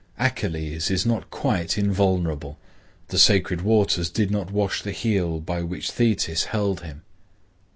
Achilles is not quite invulnerable; the sacred waters did not wash the heel by which Thetis held him.